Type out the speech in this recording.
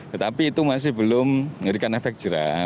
tetapi itu masih belum memberikan efek jerah